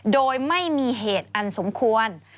โดยไม่มีเหตุอันสมควร